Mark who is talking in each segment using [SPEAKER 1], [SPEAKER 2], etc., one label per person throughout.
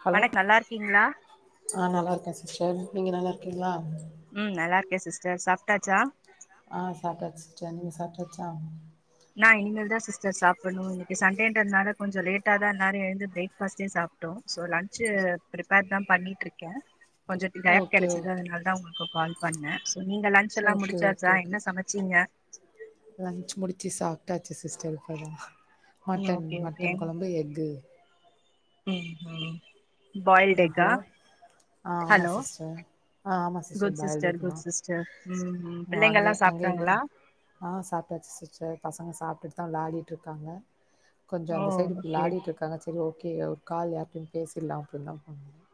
[SPEAKER 1] Hello
[SPEAKER 2] மேட நல்லா இருக்கீங்ளா
[SPEAKER 1] ஆ நல்லா இருக்கே சிஸ்டர் நீங்க நல்லா இருக்கீங்ளா
[SPEAKER 2] ம் நல்லா இருக்கே சிஸ்டர் சாப்ட்டாச்சா
[SPEAKER 1] ஆ சாப்டாச்சு சிஸ்டர் நீங்க சாப்டாச்சா
[SPEAKER 2] நா இனிமேதா சிஸ்டர் சாப்புட்ணு இன்னைக்கு சண்டேன்றனால கொஞ்ச லேட்டா தா எல்லாரு எழுந்து பிரேக் ஃபாஸ்டே சாப் டோ சோ லன்ச்சு ப்ரிப்பேர்தா பண்ணிட்டு இருக்கே கொஞ்ச கேப்
[SPEAKER 1] ஓகே
[SPEAKER 2] கெடைச்சிது
[SPEAKER 1] ஓகே
[SPEAKER 2] அதனால்தா உங்களுக்கு கால் பண்ணே நீங்க லஞ்ச் எல்லா
[SPEAKER 1] ஓகே
[SPEAKER 2] முடிச்சாச்சா
[SPEAKER 1] ஓகே ஓகே
[SPEAKER 2] என்ன சமச்சீங்க
[SPEAKER 1] லன்ச் முடிச்சு சாப்ட்டாச்சு சிஸ்டர் இப்பதா
[SPEAKER 2] ம்
[SPEAKER 1] மட்டன்
[SPEAKER 2] ஓகே ஓகே
[SPEAKER 1] மட்டன் கொழம்பு எஃகு
[SPEAKER 2] ம் ம்
[SPEAKER 1] ஆ
[SPEAKER 2] பாயில்ட் எக்கா
[SPEAKER 1] ஹலோ ஆ ஆமா
[SPEAKER 2] ஹலோ
[SPEAKER 1] சிஸ்டர் ஆ ஆமா சிஸ்டர்
[SPEAKER 2] குட்
[SPEAKER 1] பாயில்டு எக்கு தா
[SPEAKER 2] குட் சிஸ்டர் ம் ம்
[SPEAKER 1] அங்கே
[SPEAKER 2] பிள்ளைங்கல்லா
[SPEAKER 1] அங்கே என்னது
[SPEAKER 2] சாப்ட்டாங்களா
[SPEAKER 1] ஆ சாப்ட்டாச்சு சிஸ்டர் பசங்க சாப்டுட்டு தான் வ்ளாடிட்டு இருக்காங்க கொஞ்சோ
[SPEAKER 2] ஓ
[SPEAKER 1] அந்த சைடு
[SPEAKER 2] ஓகே
[SPEAKER 1] வ்ளாடிட்டு இருக்காங்க சேரி ஓக்கே ஒரு கால் யார்ட்டயு பேசிர்லா அப்டினுதா போன் பண்ணே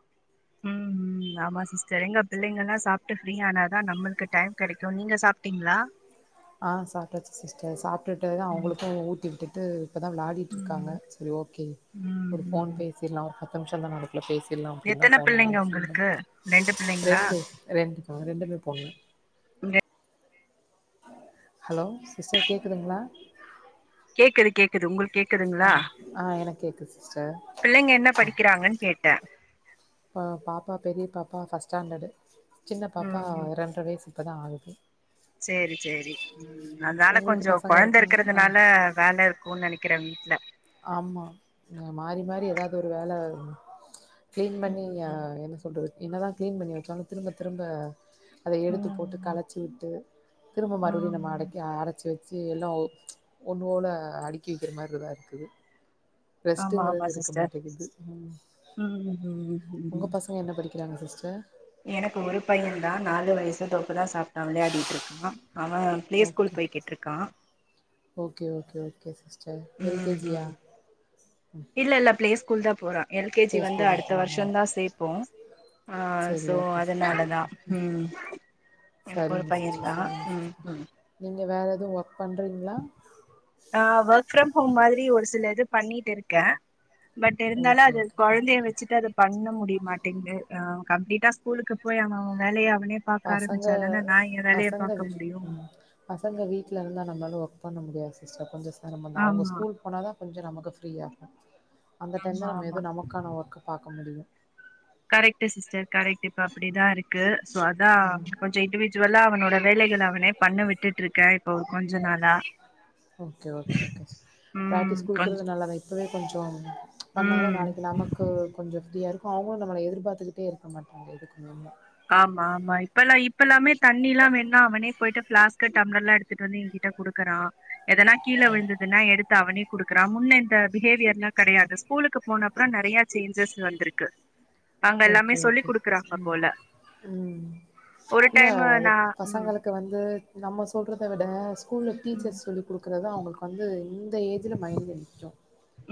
[SPEAKER 2] ம் ஹூம் ஆமா சிஸ்டர் எங்க பிள்ளங்கெல்லா சாப்ட்டு ஃப்ரீயானாதா நம்மள்க்கு டைம் கெடைக்கும் நீங்க சாப் சாப்டீங்ளா
[SPEAKER 1] ஆ சாப்ட்டாச்சு சிஸ்டர் சாப்டுட்டு
[SPEAKER 2] ம்
[SPEAKER 1] அவுங்களுக்கு ஊட்டி விட்டுட்டு இப்ப தா வ்ளாடிட்ருக்காங்க
[SPEAKER 2] ம்
[SPEAKER 1] சரி ஓக்கே
[SPEAKER 2] ம்
[SPEAKER 1] ஒரு ஃபோன்
[SPEAKER 2] ம்
[SPEAKER 1] பேசிர்லா பத்து நிமிஷ தா நம பேசிர்லா அப்டின் தா
[SPEAKER 2] எத்தன
[SPEAKER 1] ஃபோன் பண்ணே
[SPEAKER 2] பிள்ளைங்க
[SPEAKER 1] [unintelligible]
[SPEAKER 2] உங்களுக்கு ரெண்டு பிள்ளைங்களா
[SPEAKER 1] ரெண்டு ரெண்டு மா ரெண்டுமே பொன்னு
[SPEAKER 2] இங்க
[SPEAKER 1] ஹலோ சிஸ்டர் கேக்குதுங்களா
[SPEAKER 2] கேக்குது கேக்குது உங்களுக்
[SPEAKER 1] ஆ ஆ எனக்கு கேக்குது சிஸ்டர்
[SPEAKER 2] பிள்ளைங்க என்ன படிக்கிறாங்கன்னு கேட்டே
[SPEAKER 1] அ பாப்பா பெரிய பாப்பா ஃபஸ்ட் ஸ்டாண்டர்டு சின்ன பாப்பா
[SPEAKER 2] ம் ம்
[SPEAKER 1] ரெண்ட்ர வயசு இப்பதா ஆகுது
[SPEAKER 2] சேரி சேரி ம் அதால
[SPEAKER 1] உங்களுக்கு
[SPEAKER 2] கொஞ்சொ
[SPEAKER 1] பசங்க
[SPEAKER 2] கொழந்த
[SPEAKER 1] இருக்காங்க ஆ
[SPEAKER 2] இருக்குறதுனால வேல இரு க்குன்னு நெனைக்குறே வீட்ல
[SPEAKER 1] ஆமா மாறி மாறி எதாது ஒரு வேல க்ளீன் பண்ணி
[SPEAKER 2] ம்
[SPEAKER 1] ஆ
[SPEAKER 2] ம்
[SPEAKER 1] என்ன சொல்றது என்னதா க்ளீன் பண்ணி வச்சாலு திரும்ப திரும்ப அத எடுத்து
[SPEAKER 2] ம்
[SPEAKER 1] போட்டு
[SPEAKER 2] ம்
[SPEAKER 1] கலச்சி விட்டு திரும்ப மறுபடி நம்ம
[SPEAKER 2] ம்
[SPEAKER 1] அடக்கி அடு வச்சு வச்சு எல்லா ஒ ஒன்னு போல அடுக்கி வைக்கிற மாரிதா இருக்கு
[SPEAKER 2] ஆமா ஆமா
[SPEAKER 1] ரெஸ்ட்டுங்குறது இருக்க
[SPEAKER 2] சிஸ்டர்
[SPEAKER 1] மாட்டேங்குது ம்
[SPEAKER 2] ம் ம் ம் ம்
[SPEAKER 1] உங்க பச ங்க என்ன படிக்கிறாங்க சிஸ்டர்
[SPEAKER 2] எனக்கு ஒரு பையன்தா நாலு வயசு தோ இப்பதா சாப்ட்டா விளையாடிட்டு இருக்கா அவ ப்ளே ஸ்கூல்
[SPEAKER 1] ஓகே
[SPEAKER 2] பெய்க்கிட்ருக்கா
[SPEAKER 1] okay okay okay sister L
[SPEAKER 2] ம்
[SPEAKER 1] கே ஜி யா
[SPEAKER 2] ம் இல்ல இல்ல ப்ளே ஸ்கூல்தா போறா எல் கே ஜி
[SPEAKER 1] ப்ளே
[SPEAKER 2] வந்து
[SPEAKER 1] ஸ்கூல்
[SPEAKER 2] அடுத்த
[SPEAKER 1] போறாங்களா
[SPEAKER 2] வருஷந்தா சேப்போ ஆ
[SPEAKER 1] சரி
[SPEAKER 2] சோ
[SPEAKER 1] ஓகே
[SPEAKER 2] அதனாலதா
[SPEAKER 1] சிஸ்டர்
[SPEAKER 2] ம் எனக்கொரு
[SPEAKER 1] சரிங்க சிஸ்டர்
[SPEAKER 2] பையன்தா
[SPEAKER 1] சரிங்க
[SPEAKER 2] ம்
[SPEAKER 1] சிஸ்டர்
[SPEAKER 2] ம்
[SPEAKER 1] நீங்க வேற எது ஒர்க் பண்றீங்களா
[SPEAKER 2] நா வோர்க் ஃப்ரம் ஹோம் மாதிரி ஒரு சில இது பண்ணிட்டுருக்கே பட் இருந்தாலு
[SPEAKER 1] ஓகே
[SPEAKER 2] அது
[SPEAKER 1] ஓகே.
[SPEAKER 2] கொழந்தைய வச்சிட்டு அத பண்ண முடிய மாட்டேங்குது அ கம்ப்ளீட்டா ஸ்கூலுக்குப் போய் அவ அவ வேலைய அவனே பாக்க
[SPEAKER 1] பசங்க
[SPEAKER 2] ஆரம்பிச்சாதானே நான் என் வேலைய
[SPEAKER 1] பசங்க
[SPEAKER 2] பாக்க
[SPEAKER 1] விஷ்
[SPEAKER 2] முடியும்
[SPEAKER 1] ம் பசங்க வீட்ல இருந்தா நம்லால ஒர்க் பண்ண முடியாது சிஸ்டர் கொஞ்சொ செரமந்தா அவங்க
[SPEAKER 2] ஆமா
[SPEAKER 1] ஸ்கூல் போனாதா கொஞ்ச நமக்கு ஃப்ரீயாகு அந்த
[SPEAKER 2] ஆமா
[SPEAKER 1] டைம்தா நம்ம
[SPEAKER 2] ஆமா
[SPEAKER 1] எதுவு நமக்கான ஒர்க்க பாக்க முடியு
[SPEAKER 2] கரெக்ட்டு சிஸ்டர் கரெக்ட்டு இப்ப அப்டிதா இருக்கு சோ அதா
[SPEAKER 1] ம்.
[SPEAKER 2] கொஞ் சொ இண்டிவிஜுவலா அவனோட வேலைகள அவனே பண்ண விட்டுட்ருக்கே இப்ப ஒரு கொஞ்ச நாளா
[SPEAKER 1] ஓகே ஓகே ஓகே ச
[SPEAKER 2] ம்
[SPEAKER 1] பிராக்டிஸ்
[SPEAKER 2] கொஞ்ச
[SPEAKER 1] குடுக்குறது நல்லதா இப்பவே கொஞ்சொ பண்ணாதா
[SPEAKER 2] ம்
[SPEAKER 1] நாளைக்கு நமக்கு கொஞ்ச ஃப்ரீயா இருக் சோ அவங்களு நம்மள எதிர்பாத்துக்கிட்டே இருக்க மாட்டாங்க எதுக்குமே
[SPEAKER 2] ஆமா ஆமா இப்பெல்லா இப்பல்லாமே தண்ணிலா வேணுணா அவனே போய்ட்டு ஃப்ளாஸ்க்கு டம்ளர்லா எடு த்துட்டு வந்து எங்கிட்ட குடுக்குறா எதனா கீழ விழுந்துட் டனா எடுத்து அவனே குடுக்குறா முன்ன இந்த பிஹேவியர்லா கெடையாது ஸ்கூலுக்கு போன அப்றம் நெறைய சேஞ்சஸ் வந்துருக்கு அங்க எல்லாமே
[SPEAKER 1] ஓகே,
[SPEAKER 2] சொல்லி
[SPEAKER 1] ஓகே.
[SPEAKER 2] குடுக்குறாங்க
[SPEAKER 1] ம்.
[SPEAKER 2] போல
[SPEAKER 1] ம்
[SPEAKER 2] ஒரு
[SPEAKER 1] இல்ல
[SPEAKER 2] டைமு
[SPEAKER 1] அது
[SPEAKER 2] நா ம்
[SPEAKER 1] பசங்களுக் க்கு வந்து நம்ம சொல்றத விட ஸ்கூல்ல
[SPEAKER 2] ம்
[SPEAKER 1] டீச்சர் சொல்லி குடுக்குறதுதா அவங்களுக்கு வந்து இந்த ஏஜ்ல மைண்ட்ல நிக்கு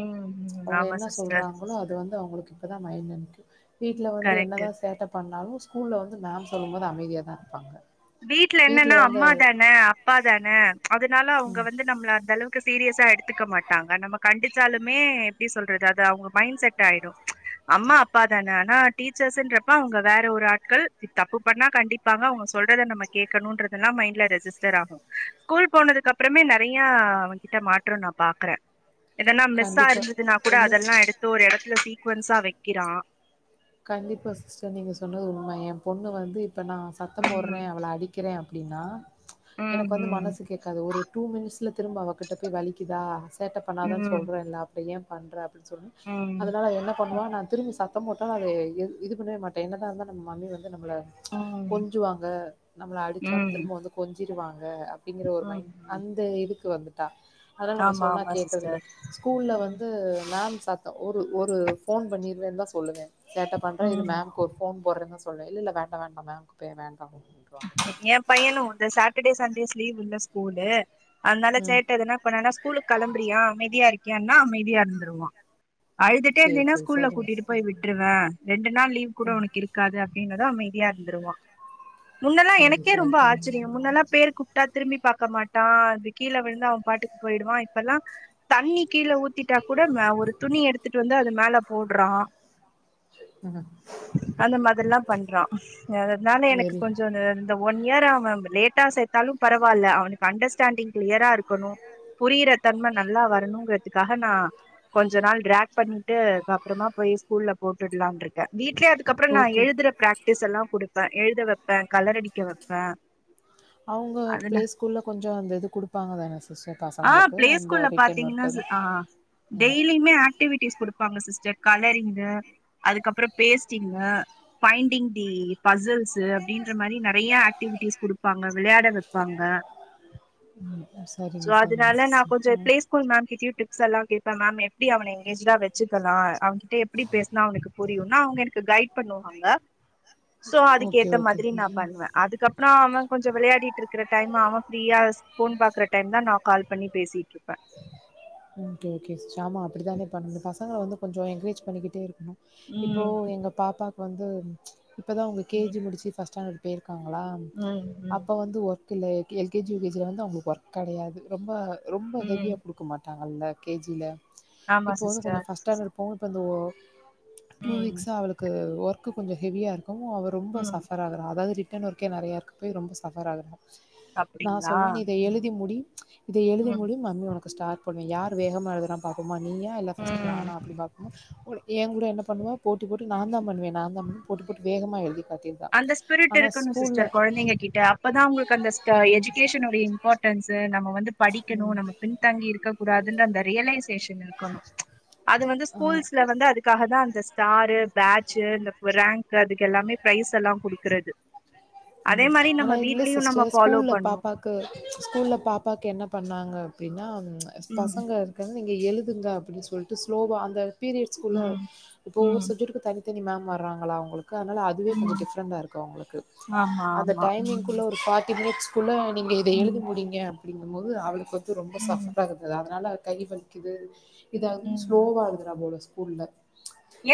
[SPEAKER 2] ம் ம்
[SPEAKER 1] அவுங்க
[SPEAKER 2] ஆமா
[SPEAKER 1] என்ன
[SPEAKER 2] சிஸ்டர்
[SPEAKER 1] சொல்றாங்களோ அது வந்து அவங்களுக்கு இப்பதாத மைண்ட்ல நிக்கு வீட்ல வந்து
[SPEAKER 2] கரெக்ட்
[SPEAKER 1] என்னதா சேட்ட பண்ணாலு ஸ்கூல்ல வந்து மேம் சொல்லும் போது அமைதியாதா இருப்பாங்க
[SPEAKER 2] வீட்ல என்னனா அம்மா தானே அப்பா தானே அதனால அவங்க வந்து நம்மள அந்தளவுக் கு சீரியஸா எடுத்துக்க மாட்டாங்க நம்ம கண்டிச்சாலுமே எப்டி சொல்றது அது அவங்க மைண்ட் செட் ஆயிடு அம்மா அப்பா தானே ஆனா டீச்சர்ஸ்ன்றப்ப அவங்க வேற ஒரு ஆட்கள் தப்பு பண்ணா கண்டிப்பாங்க அவங்க சொல்றத நம்ம கேக்கணுன்றதெல்லா மைண்ட்ல ரெஜிஸ்டர் ஆகு ஸ்கூல் போனதுக்கு அப்புறமே நெறையா அவங்கிட்ட மாற்றொ நா பாக்குறே எதனா மிஸ்சா
[SPEAKER 1] கண்டிப்பா
[SPEAKER 2] இருந்துதுன்னா கூட
[SPEAKER 1] இல்ல
[SPEAKER 2] அதெல்லா எடுத்து ஒரு எடத்துல சீக்வன்ஸா வைக்கிறா
[SPEAKER 1] கண்டிப்பா சிஸ்டர் நீங்க சொன்னது உண்ம எ பொண்ணு வந்து இப்ப நா சத்தம்
[SPEAKER 2] ம்
[SPEAKER 1] போடுறே அவள அடி க்கிறே அப்டின்னா
[SPEAKER 2] ம்
[SPEAKER 1] எனக்கு வந்து
[SPEAKER 2] ம்
[SPEAKER 1] மனசு கேக்காது ஒரு டூ மினிட்ஸில் திரும்ப அவகிட்ட போய் வலிக்குதா சேட்ட பண்ணாதானு
[SPEAKER 2] ம்
[SPEAKER 1] சொலறேன்ல அப்ற ஏ பண்ற அப்டின்னு சொல்லி
[SPEAKER 2] ம்
[SPEAKER 1] அதனால என்ன பண்ணுவா நா திரும்பி சத்தம் போட் டனாலே எது இது பண்ணவே மாட்டே என்னதா இருந்தா நம்ம மம்மி வந்து நம்மள
[SPEAKER 2] ம்
[SPEAKER 1] கொஞ்சுவாங்க நம்மள அடிச்சாலு
[SPEAKER 2] ம்
[SPEAKER 1] திரும்ப வந்து கொஞ்சிருவாங்க அப் டிங்குற ஒரு
[SPEAKER 2] ம்
[SPEAKER 1] மைண்ட்
[SPEAKER 2] ம்
[SPEAKER 1] அந்த இதுக்கு வந்துட்டா அதனால நம்ம
[SPEAKER 2] ஆமா
[SPEAKER 1] சொன்னா
[SPEAKER 2] ஆமா
[SPEAKER 1] கேக்குறதுல
[SPEAKER 2] சிஸ்டர்
[SPEAKER 1] ஸ்கூல்ல
[SPEAKER 2] ம்
[SPEAKER 1] வந்து மேம் சத்தோ ஒரு ஒரு ஃபோன் பண்ணிருவேன்தா சொல்லுவே சேட்ட பண்ற இரு
[SPEAKER 2] ம்
[SPEAKER 1] மேம்க்கு ஒர் ஃபோன் போறன்னு சொல்லே இல்லல்ல வேண்டா வேண்டா மேம்க்கே வேண்டா [inaudible]
[SPEAKER 2] எ பையனு உந்து சாட்டடே சண்டேஸ் லீவ் இல்ல ஸ்கூலு அன்னால
[SPEAKER 1] ம்
[SPEAKER 2] சேட்ட எதுன்னா அப்ப நனா ஸ்கூலு களம்ப்றியா அமைய்தியா இருக்கியான்னா அமைய்தியா இருந்துருவா அழுதுட்டே
[SPEAKER 1] சேரி
[SPEAKER 2] இருந்தீன்னா
[SPEAKER 1] சேரி
[SPEAKER 2] ஸ்கூல்ல
[SPEAKER 1] சரிங்க
[SPEAKER 2] கூட்டிட்டு போய்
[SPEAKER 1] சிஸ்
[SPEAKER 2] விட்ருவே ரெண்டு நாள் லீவ் கூட
[SPEAKER 1] ம்
[SPEAKER 2] உனக்கு இருக்காத இன்னுதா அமைதியா இருந்துருவா முன்னல்லா
[SPEAKER 1] சரி
[SPEAKER 2] எனக்கே
[SPEAKER 1] சரி
[SPEAKER 2] ரொம்ப
[SPEAKER 1] தேங்க்ஸ்
[SPEAKER 2] ஆச்சரியம் முன்னல்லா பேர்க்கு டா திரும்பி பாக்க மாட்டா அது கீழ விழுந்தா அவன் பாட்டுக்கு போயிடுவா இப்பல்லா தண்ணி கீழ ஊத்திட்டா கூட மே ஒரு துணி எடுத்துட்டு வந்து அது மேல போட்றா
[SPEAKER 1] ம்ம்
[SPEAKER 2] அந்த மாதிரில்லா பண்றா அதனால எனக்கு
[SPEAKER 1] வெரி
[SPEAKER 2] ஜுனு இந்த ஒன் இயர் ஆவ் மேம் லேட்டா சேத்தாலும் பரவால்ல அவனுக் அண்டஸ்டாண்டிங் க்ளியரா இருக்கணு புரியற தன்ம நல்லா வரணுங்க்றதுக்காஹ நா கொஞ்ச நாள் ட்ராக் பண்ணிட்டு பப்றமா போய் ஸ்கூல்ல போட்டுட்லான்ருக்கே வீட்லே அது க்கப்ற நா
[SPEAKER 1] ஓகே
[SPEAKER 2] எழுதுற ப்ராக்டிஸ் எல்லா குடுப்பே எழுத வெப்பே கலரடிக்க வெப்பே
[SPEAKER 1] அவ்ங்க ப்ளே ஸ்கூல்ல கொஞ்சோ அந்த இது குடுப்பாங்க தான சிஸர்
[SPEAKER 2] ஆ ப்ளே ஸ்கூல்ல பாத்தீங்கன்னாஜு ஆ
[SPEAKER 1] ம்
[SPEAKER 2] டெய்லியுமே ஆக் க்டிவிட்டிஸ் குடுப்பாங்க சிஸ்டர் கலரிங்கு அதுக்கப்றோ பேஸ்டிங்க பைண்டிங் தி பஜல்ஸு அப்படின்ற மாரி நெறையா ஆக்டிவிட்டிஸ் குடுப்பாங்க விளையாட வெப்பாங்க
[SPEAKER 1] ம்ம் சரிங்க சரிங்க சிஸ்ஸர் ஆ
[SPEAKER 2] கூல் மேம் கிட்யு டிப்ஸல்லா கேப்பே மேம் எப்டி அவன எங்கேஜ்டா வெச்சுக்கலா அவன் கிட்ட எப் ப்டி பேஸ்னா அவனுக்கு புரியுனா அவங்க எனக்கு கைட் பண்ணுவாங்க சோ அதுக்கு
[SPEAKER 1] ஓகே
[SPEAKER 2] ஏத்த
[SPEAKER 1] ஓகே
[SPEAKER 2] மாதிரி நா
[SPEAKER 1] ம்
[SPEAKER 2] பண்வே அதுக்கப்றோ அவன் கொஞ்ச வெளையாடிட்ருக்குற டைம்ம அவன் ஃப்ரீயாஸ் ஃபோன் பாக்றட் டைம் தா நா கால் பண்ணி பேசிட்ருப்பே
[SPEAKER 1] உன்கே கிட்ஸ் ச்சாமா அப்படி தானே பண்ணுணு பசங்கள வந்து கொஞ்சோ என்க்ரேஜ் பண்ணிக்கிட்டே இருக்ணு இப்போ எங்க பாப்பாக் வந்து உம் இப்பதா அவ்ங்க
[SPEAKER 2] ம்
[SPEAKER 1] கேஜி முடிச்சி ஃபஸ் ஸ்டாடட் பெய்ர்க்காங்கலான்
[SPEAKER 2] ம் ம்
[SPEAKER 1] அப்ப வந்து ஒர் கிலே எல்கேஜி யகேஜ்ஜுலந்து அவங்ளுக் வர்க் கடையாது ரொம்ப ரொம்ப
[SPEAKER 2] ம்
[SPEAKER 1] ஹெவியா குடுக்க மாட் ட்டான்த கேஜில
[SPEAKER 2] ஆமா
[SPEAKER 1] இப்ப வது கொஞ்சோ
[SPEAKER 2] சிஸ்டர்
[SPEAKER 1] ஃபஸ்ட் ஸ்டாண்டட் போன பெறன்தவோ டூ
[SPEAKER 2] ம்
[SPEAKER 1] வீக்ஸ் அவளுக்கு ஒர்க் கொஞ்ச ஹெவியா இருக்கு அவ ரொம்ப
[SPEAKER 2] ம்
[SPEAKER 1] சஃபர் ஆகுறா அதாவரிட் ட்டன் வர்க்கே நெறையா இருக்க போய் ரொம்ப சஃபர் ஆகுறா நா
[SPEAKER 2] அப்டிங்களா
[SPEAKER 1] சொல்வே இத
[SPEAKER 2] ம்
[SPEAKER 1] எழுதி முடி இத எழுதி
[SPEAKER 2] ம்
[SPEAKER 1] முடி மம்மி உனக்கு ஸ்டார் பன்வே யார் வேகமா எழுதுரா பாப்போமா நீயா இல்ல ஃபஸ்ட்
[SPEAKER 2] ம்
[SPEAKER 1] நானா அப்டின் பாத் என் கூட என்ன பண்ணுவா போட்டி போட்டு
[SPEAKER 2] ம்
[SPEAKER 1] நான் தான் பண்ணுவேன் நான் தான் பண்ணுவன் போட்டு போட்டு வேகமா எழுதி காட்டிருன்
[SPEAKER 2] அந்த ஸ்பிரிட் இருக்கணு சிஸ்டர் கொழந்தைங்க கிட்ட அப்பதா உங்கள்க் அந்த ஸ்ட
[SPEAKER 1] ம்,
[SPEAKER 2] எஜிகேஷனுடையின் போட்டன்ஸு நம்ம வந்து படிக்கணு
[SPEAKER 1] ம்.
[SPEAKER 2] நம்ம பின்தங்கி இருக்கக்க கூடாதுன்ற அந்த ரியலைஸ் டேஷன் இருக்கணு அது வந்து
[SPEAKER 1] ஆ
[SPEAKER 2] ஸ்கூல்ஸ்ல வந்து அதுக்காஹதா அந்தஸ் தாரு பேட்ச்சு இந்தஃப் ரேங்க்கு அதுக்கெல்லாமே ப்ரைஸ் எல்லா குடுக்குறது
[SPEAKER 1] ம் ஆனா இல்ல சிஸ்டர் ஸ்கூல்ல
[SPEAKER 2] பண்ணு
[SPEAKER 1] பாப்பாக் க்கு ஸ்கூல்ல பாப்பாக்கு என்ன பண்ணாங்க அப்பின்னாம் எ
[SPEAKER 2] ம்
[SPEAKER 1] பசங்கது ங்கனு நீங்க எழுதுங்க அப்படி சொல்ட்டு ஸ்லோவா அந்த பீரியட்ஸ் குள்ள
[SPEAKER 2] ம்
[SPEAKER 1] இப்போ ஒவ்வொர்
[SPEAKER 2] ம்
[SPEAKER 1] சப்ஜெக்ட்டுக்கு தனி த்தினி மேம் வர்றாங்களா அவுங்களுக்கு அனால அதுவே கொஞ்சோ
[SPEAKER 2] ம்
[SPEAKER 1] டிஃப்ரெண்டா இருக்கு அவுங்ளுக்கு
[SPEAKER 2] ஆமா
[SPEAKER 1] அந்த
[SPEAKER 2] ஆமா
[SPEAKER 1] டைமிங்
[SPEAKER 2] ம்
[SPEAKER 1] குள்ள ஒரு ஃபாட்டி மினிட்ஸ் ஃபுல்ல நீங்க இத எழுதி
[SPEAKER 2] ம்
[SPEAKER 1] முடிங்க அப்டிங்குமோது அவளுக்கொத்து ரொம்ப
[SPEAKER 2] ம்
[SPEAKER 1] சஃப்பரா இருது அதனால கை வலிக்குது இதாவுதுன் ஸ்லோவா எழுதுறா போல ஸ்கூல்ல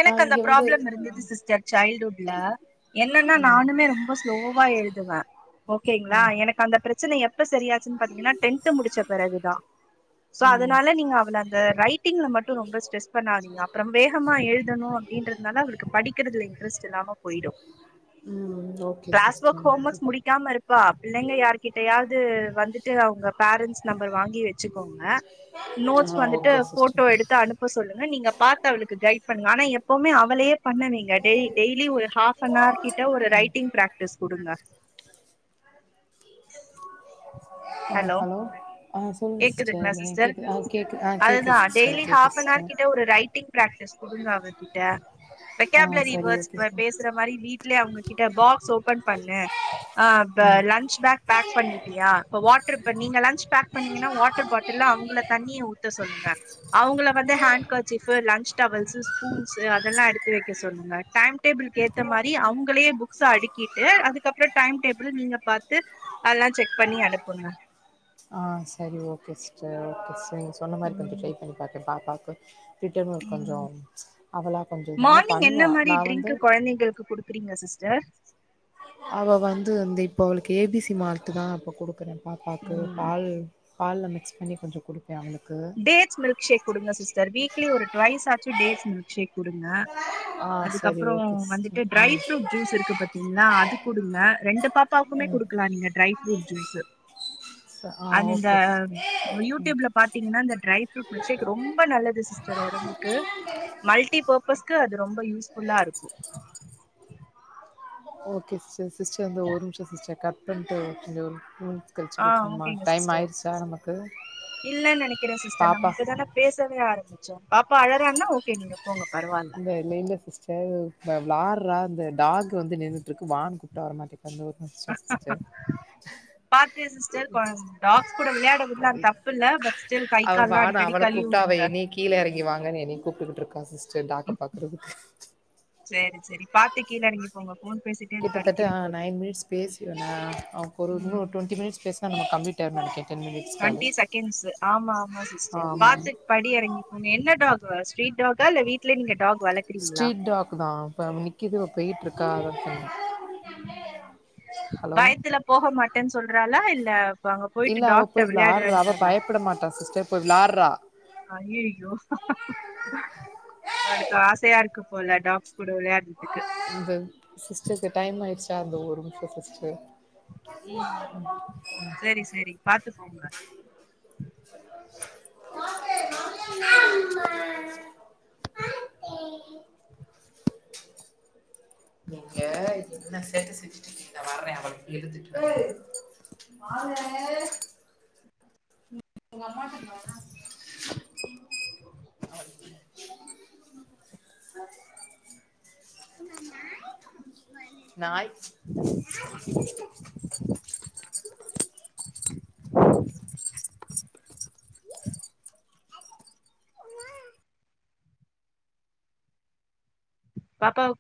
[SPEAKER 2] எனக்கு
[SPEAKER 1] நான்
[SPEAKER 2] அந்த
[SPEAKER 1] இங்க வந்து
[SPEAKER 2] ப்ராஃப்ளம் இருந்துது சிஸ் ச சைல்டு ஹுட்ல என்னன்னா
[SPEAKER 1] ம்,
[SPEAKER 2] நானுமே ரொம்ப ஸ்லோவா எழுதுவே ஓகேங்ளா
[SPEAKER 1] ம்,
[SPEAKER 2] எனக்கு அந்த பிரச்சன எப்ப சரியாச்சுன் பாத்தீங்கனா டென்த்து முடுச்ச பெறகுதா சோ
[SPEAKER 1] ம்.
[SPEAKER 2] அதுனால நீங்க அவள அந்த ரைட்டிங்ல மட்டு ரொம்ப ஸ்ட்ரெஸ் பண்ணாதீங்க அப்பறம் வேகம் மா எழுதணு அப்டின்றதுனால அவளுக்கு படிக்கிறதுல இன்ட்ரஸ்ட் இல்லாம போயிடு
[SPEAKER 1] ம் okay
[SPEAKER 2] class work
[SPEAKER 1] sister
[SPEAKER 2] home works முடி க்காம இருப்பா பிள்ளங்க யார்கிட்டயாவது வந்துட்டு அவுங்க பேரன்ட்ஸ் நம்பர் வாங்கி வச்சுக்கோங்க நோட்ஸ்
[SPEAKER 1] ஆ
[SPEAKER 2] வந்துட்டு
[SPEAKER 1] ஓகே
[SPEAKER 2] போட்டோ
[SPEAKER 1] சிஸ்டர்
[SPEAKER 2] எடுத்து அனு ப்ப சொல்லுங்க நீங்க பாத்து அவளுக்கு கைட் பண்ணுங்க ஆனா எப்பவுமே அவளயே பண்ண வைங்க டெ டெய்லி ஒரு ஹாஃப் அன் ஆர் கிட்ட ஒரு ரைட்டிங் ப்ராக்டிஸ் குடுங்க
[SPEAKER 1] ஆ ஹலோ அ சொல்லுங்க சிஸ்டர் நே கேக்குது அ கேக்கு ஆ கேக்குது
[SPEAKER 2] அதுதா
[SPEAKER 1] சிஸ்டர் கேக்குது சிஸ்டர்
[SPEAKER 2] ப்ராக்டிஸ் குடுங்க அவகிட்ட
[SPEAKER 1] ஆ
[SPEAKER 2] வெகாபுலரி
[SPEAKER 1] சரி
[SPEAKER 2] வேர்ட்ஸ்
[SPEAKER 1] ஓகே
[SPEAKER 2] கூட
[SPEAKER 1] சார்
[SPEAKER 2] பேசுற மாரி வீட் லயே அவுங்க கிட்ட பாக்ஸ் ஓப்பன் பண்ணு ஆ
[SPEAKER 1] ம்
[SPEAKER 2] லஞ்ச் பேக் பேக் பண்ணிட்டியா இப்ப வாட்ரு இப்ப நீங்க லஞ்ச் பேக் பன்னீங்கன்னா வாட்டர் பாட்டில்ல அவுங்கள தண்ணிய ஊத்த சொல்லுங்க அவுங்கள வந்து handkerchief lunch towels spoons அதல்லா எடுத்து வைக்க சொல்லுங்க டைம் டேபிள்க்கு ஏத்த மாரி அவுங்களயே புக்ஸ அடிக்கிட்டு அதுக்கப்பற டைம் டேபிள நீங்க பாத்து அதல்லா செக் பண்ணி அனுப்புங்க
[SPEAKER 1] அ சரி ஓகே சிஸ்டர் [unintelligible] நீங்க சொன்ன மாரி கொஞ்ச
[SPEAKER 2] ம்
[SPEAKER 1] ட்ரை பண்ணி பாக்குறே பாப்பாக்கு திட்டவு
[SPEAKER 2] ம்
[SPEAKER 1] கொஞ்சோ அவளா கொஞ்சோனால பண்ணுவா நா வந்து
[SPEAKER 2] நீங்களுக்கு குடுக்குறீங்க சிஸ்டர்
[SPEAKER 1] அவ வந்து இந்த இப்ப அவளுக்கு ஏ பி சி மால்ட் தா இப்ப குடுக்குறே பாப்பாக்கு
[SPEAKER 2] ம்
[SPEAKER 1] பால் பால்ல மிக்ஸ் பண்ணி கொஞ்சொ குடுப்பே அவளுக்கு
[SPEAKER 2] டேட்ஸ் மில்க் ஷேக் குடுங்க சிஸ்டர் வீக்லி ஒரு ட்வைஸ் ஆச்சு டேட்ஸ் மில்க் ஷேக் குடுங்க
[SPEAKER 1] ஆ சரி
[SPEAKER 2] அதுக்கப்பறோ
[SPEAKER 1] ஓகே
[SPEAKER 2] வந்துட்டு
[SPEAKER 1] சிஸ்டர்
[SPEAKER 2] ட்ரை
[SPEAKER 1] ம்
[SPEAKER 2] ஃப்ரூட் ஜூஸ் இருக்கு பாத்தீங்ளா அது குடுங்க ரெண்டு பாப்பாக்குமே குடுக் கலா நீங்க ட்ரை ஃப்ரூட் ஜூஸூ
[SPEAKER 1] ச ஆ
[SPEAKER 2] அது இந்த
[SPEAKER 1] ஓகே சிஸ்டர் ம்
[SPEAKER 2] யூடியூப்ல பாத் திங்கனா இந்த ட்ரை ஃப்ரூட் மில்க் ஷேக் ரொம்ப நல்லது சிஸ்டர் ஒடம்புக்கு மல்டி பர் பஸ்க்கு அது ரொம்ப யூஸ்ஃபுல்லா இருக்கு
[SPEAKER 1] ஓகே சிஸ் சிஸ்டர் இந்த ஒரு நிமிஷோ சிஸ்டர் கட் பண்ணிட்டு கொஞ்சோ ஒரு டூ மினிட்ஸ் கழிச்சு
[SPEAKER 2] ஆ
[SPEAKER 1] கூப்டட்டுமா டைம் ஆய்டுச்சா நம க்கு
[SPEAKER 2] இல்லன் நெனைக்கிறே சிஸ்டர் நம இப்ப தா பேசவே ஆரம்பிச்சோ பாப்பா அழறான்னா ஓகே நீங்க போங்க பரவால்ல
[SPEAKER 1] இந்த இல்ல இல்ல சிஸ்டர் இந்த விளாற்றா அந்த டாக் வந்து நின்னுட்டு இருக்கு வானு கூப்ட்டா வர மாட்டி இந்த ஒரு நிமிஷோ சிஸ்டர்
[SPEAKER 2] பாத்தே சிஸ்டர் கொம் டாக்ஸ் கூட விளையாட விட்லா தப்பில்ல பட் ஸ்டில் கை
[SPEAKER 1] அவ
[SPEAKER 2] கால்லா
[SPEAKER 1] வானு
[SPEAKER 2] அடிக்கடி
[SPEAKER 1] அவள
[SPEAKER 2] கழுவி
[SPEAKER 1] கூப்ட்டா அவ
[SPEAKER 2] விடுங்க
[SPEAKER 1] என்னய கீ கீழ எறங்கி வாங்கன் என்னய கூப்ட்டுகிட்ருக்கா சிஸ்டர் டாக்க
[SPEAKER 2] ம்
[SPEAKER 1] பாக்குறதுக்கு
[SPEAKER 2] சேரி சேரி பாத்து கீழ எறங்கி போங்க ஃபோன் பேசிட்டே அது தடுக்கிற போது
[SPEAKER 1] பேசிற்வனா நமக்கு ஒரு
[SPEAKER 2] ம்
[SPEAKER 1] இன்னு டொண்ட்டி மினிட்ஸ் பேஸ்னா நம்மளுக் கம்ப்ளீட் ஆய்ருனு நெனைக்கிறே டென் மினிட்ஸ் காலு
[SPEAKER 2] டுவென்டி செக்கன்ட்ஸ் ஆமாமா சிஸ்டர்
[SPEAKER 1] ஆமா
[SPEAKER 2] பாத்து படி எறங்கி போனு என்ன டாக் ஸ்ட்ரீட்டாகா இல்ல வீட்டிலயே நீங்க டாக் வள
[SPEAKER 1] ஸ்ட்ரீட் டாக்கு தா இப்ப நிக்கிது அவ போயிட்டு இருக்கா அததா
[SPEAKER 2] ம் பயத்துல போக மாட்டேனு சொல்றாளா இல்ல அங்க போயிட்டு
[SPEAKER 1] இல்ல அவ
[SPEAKER 2] டாக்ட
[SPEAKER 1] போய் விளாட்றா அவ
[SPEAKER 2] விளையாடுவேன்றாளா
[SPEAKER 1] பயப்பட மாட்டா சிஸ்டர் போய் விளாட்றா
[SPEAKER 2] அய்யயோ அவுளுக்கு ஆசயா இருக்குபோல டாக்ஸ் கூட வெளயாடறதுக்கு
[SPEAKER 1] இந்த சிஸ்டர்க்கு டைம் ஆயிருச்சா அந்த ஒரு நிமிஷோ சிஸ்டர்
[SPEAKER 2] ம் சரி சரி பாத்துக்கோங்க
[SPEAKER 1] காட்டு அம்மா நீங்க என்ன சேட்டா செஞ்சுயிருக்கீங்க இதோ வரேன் எடுத்துட்டு மாலே அம்மா நாய் நாய்
[SPEAKER 2] பாப்பாவ கூ